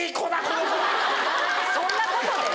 そんなことで？